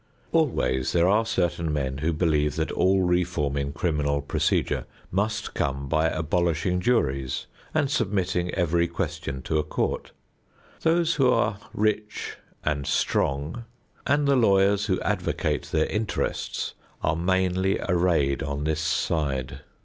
Always there are certain men who believe that all reform in criminal procedure must come by abolishing juries and submitting every question to a court. Those who are rich and strong and the lawyers who advocate their interests are mainly arrayed on this side.